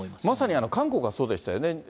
まさに韓国がそうでしたよね。